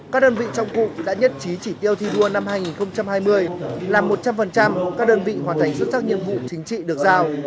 các đơn vị trong cụ đã nhất trí chỉ tiêu thi đua năm hai nghìn hai mươi là một trăm linh các đơn vị hoàn thành xuất sắc nhiệm vụ chính trị được giao